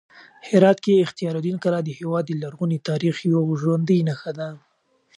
هرات کې اختیار الدین کلا د هېواد د لرغوني تاریخ یوه ژوندۍ نښه ده.